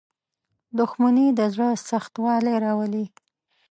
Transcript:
• دښمني د زړه سختوالی راولي.